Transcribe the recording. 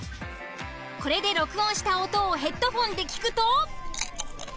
これで録音した音をヘッドホンで聞くと。